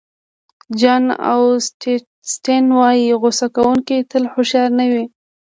جان اوسټین وایي غوصه کوونکي تل هوښیار نه وي.